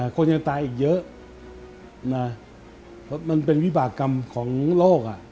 คนยังตายอีกเยอะนะเพราะมันเป็นวิบากรรมของโลก